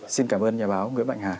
xin cảm ơn nhà báo nguyễn bạch hà